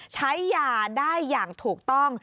ใช้ยาได้อย่างถูกต้อง